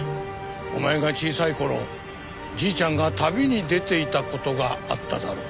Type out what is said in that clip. お前が小さい頃じいちゃんが旅に出ていた事があっただろう。